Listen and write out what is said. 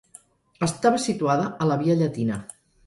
Estava situada a la Via Llatina.